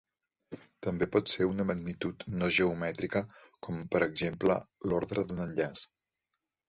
També pot ser una magnitud no geomètrica com per exemple l'ordre d'un enllaç.